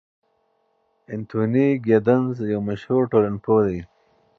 انتوني ګیدنز یو مشهور ټولنپوه دی.